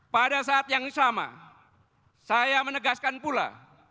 pada saat yang sama saya menegaskan pula